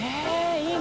いいね。